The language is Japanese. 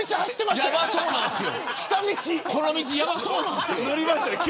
この道やばそうなんですよ。